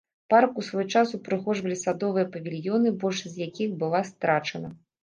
Парк у свой час упрыгожвалі садовыя павільёны, большасць з якіх была страчана.